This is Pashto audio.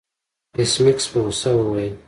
ایس میکس په غوسه وویل